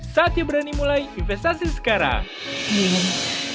saatnya berani mulai investasi sekarang minimum